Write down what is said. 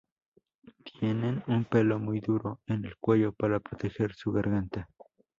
Tienen un pelo muy duro en el cuello para proteger su garganta.